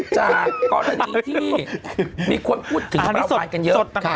จากกรณีที่มีคนพูดถึงปราวันกันเยอะอันนี้สดสดค่ะ